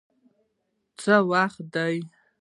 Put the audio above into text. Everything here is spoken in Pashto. څه وخت دی؟